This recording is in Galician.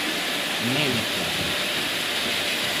Menten.